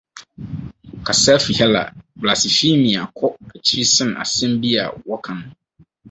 Kasafĩ Hela, bla·sphe·miʹa kɔ akyiri sen asɛm bi a wɔka no.